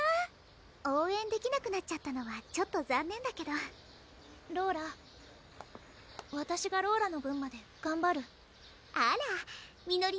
応援できなくなっちゃったのはちょっと残念だけどローラわたしがローラの分までがんばるあらみのり